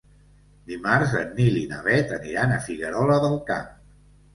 Dimarts en Nil i na Bet aniran a Figuerola del Camp.